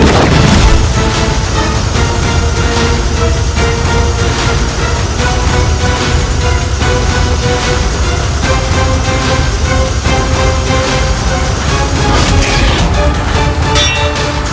kami akan menjalankan tugas yang diberikan oleh ayah